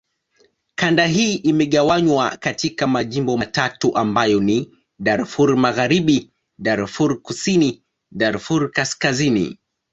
Kanda hii imegawanywa katika majimbo matatu ambayo ni: Darfur Magharibi, Darfur Kusini, Darfur Kaskazini.